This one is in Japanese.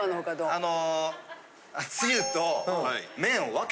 あの。